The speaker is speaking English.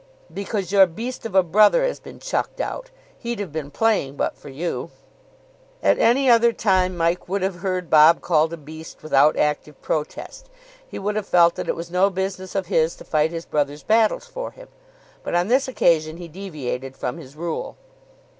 "Because your beast of a brother has been chucked out. He'd have been playing but for you." At any other time Mike would have heard Bob called a beast without active protest. He would have felt that it was no business of his to fight his brother's battles for him. But on this occasion he deviated from his rule.